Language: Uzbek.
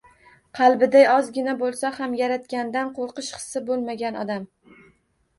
Qalbida ozgina bo‘lsa ham Yaratgandan qo‘rqish hissi bo‘lmagan odam